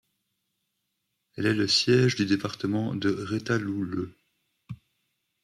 Elle est le siège du département de Retalhuleu.